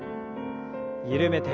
緩めて。